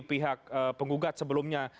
pihak penggugat sebelumnya